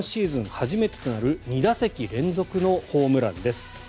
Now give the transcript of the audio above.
初めてとなる２打席連続のホームランです。